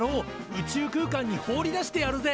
宇宙空間に放り出してやるぜ！